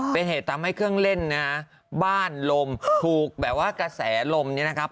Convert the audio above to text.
เป็นเหตุทำให้เครื่องเล่นนะฮะบ้านลมถูกแบบว่ากระแสลมเนี่ยนะครับ